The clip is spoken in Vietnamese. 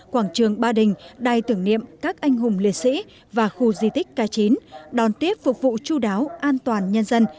quảng trường ba đình đài tưởng niệm các anh hùng liệt sĩ và khu di tích k chín đón tiếp phục vụ chú đáo an toàn nhân dân